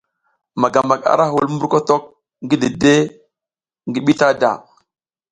Magamak ara hul mumburkotok ngi dide ngi bitada.